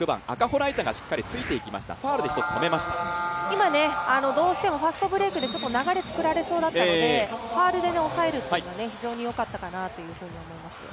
今、どうしてもファストブレイクで流れ作られそうだったのでファウルで抑えるというのは非常によかったかなと思います。